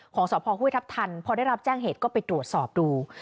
สพห้วยทัพทันพอได้รับแจ้งเหตุก็ไปตรวจสอบดู